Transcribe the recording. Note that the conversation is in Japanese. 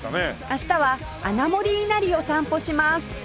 明日は穴守稲荷を散歩します